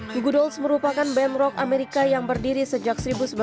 go go dolls merupakan band rock amerika yang berdiri sejak seribu sembilan ratus delapan puluh enam